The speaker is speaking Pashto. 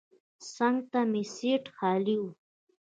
څنګ ته مې سیټ خالي و.